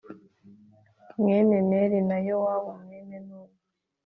mwene Neri na Yowabu mwene nuni